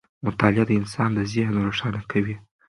مطالعه د انسان ذهن روښانه کوي.